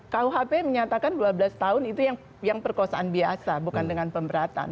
kuhp menyatakan dua belas tahun itu yang perkosaan biasa bukan dengan pemberatan